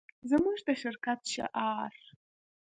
زموږ د شرکت شعار